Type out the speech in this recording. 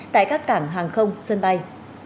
tại các cảng hàng không sân bay